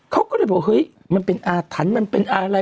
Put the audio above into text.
เขาก็เลยบอกเฮ้ยมันเป็นอาถรรพ์มันเป็นอะไร